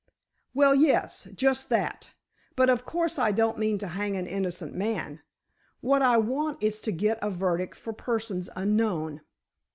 "Well, yes—just that. But, of course I don't mean to hang an innocent man! What I want is to get a verdict for persons unknown."